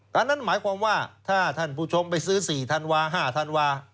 ดังนั้นหมายความว่าถ้าท่านผู้ชมไปซื้อ๔ธันวา๕ธันวา